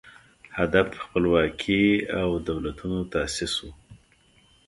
هدف خپلواکي او دولتونو تاسیس و